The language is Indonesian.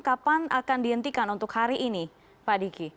kapan akan dihentikan untuk hari ini pak diki